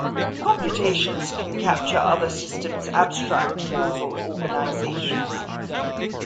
Computations can capture other systems' abstract causal organization.